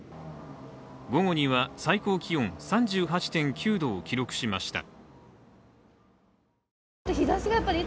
午後には最高気温３８．９度を記録しました。